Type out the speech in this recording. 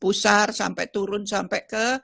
pusar sampai turun sampai ke